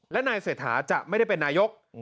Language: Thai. และนายเศรษฐาจะไม่ได้เป็นนายก